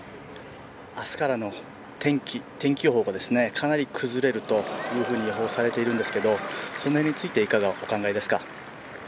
明日からの天気予報がかなり崩れるというふうに予報されているんですけどその辺について、いかが、お考えですか？